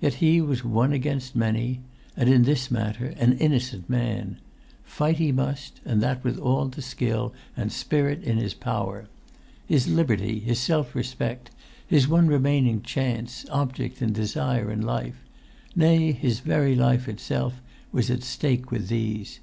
Yet he was one against many; and, in this matter, an innocent man. Fight he must, and that with all the skill and spirit in his power. His liberty, his self respect; his one remaining chance, object, and desire in life; nay, his very life itself was at stake with these.